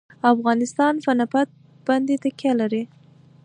افغانستان په نفت باندې تکیه لري.